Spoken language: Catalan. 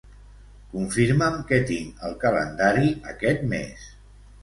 Confirma'm què tinc al calendari aquest mes.